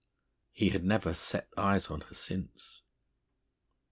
'" He had never set eyes on her since.